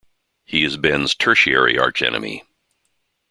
He is Ben's tertiary archenemy.